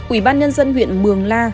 ubnd huyện mường la